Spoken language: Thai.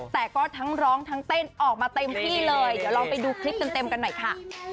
แต่ก็ทั้งร้องทั้งเต้นออกมาเต็มที่เลยเดี๋ยวลองไปดูคลิปเต็มกันหน่อยค่ะ